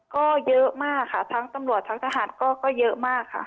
ก็เยอะมากค่ะทั้งตำรวจทั้งทหารก็เยอะมากค่ะ